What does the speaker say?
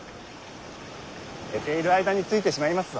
寝ている間に着いてしまいますぞ。